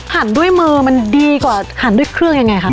หันด้วยมือมันดีกว่าหันด้วยเครื่องยังไงคะ